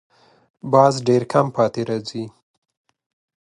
باز ډېر کم پاتې راځي